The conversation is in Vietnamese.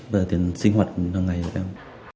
và tiền sinh hoạt trong ngày với em